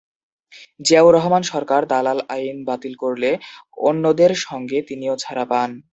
জিয়াউর রহমান সরকার দালাল আইন বাতিল করলে অন্যদের সাথে তিনিও ছাড়া পান।